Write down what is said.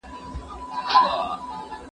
طلاق سوي کسان کوم ژوند غوره کوي؟